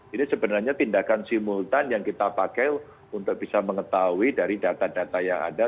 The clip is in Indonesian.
jadi sebenarnya tindakan simultan yang kita pakai untuk bisa mengetahui dari data data yang ada